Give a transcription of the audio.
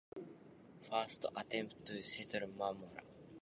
The first attempt to settle Maroota, as a soldier-settlement, failed totally.